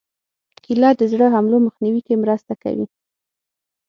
کېله د زړه حملو مخنیوي کې مرسته کوي.